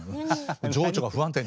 情緒が不安定に。